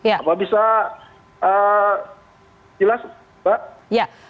apa bisa jelas mbak